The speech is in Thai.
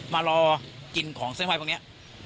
มารอกินของเส้นไหว้พวกนี้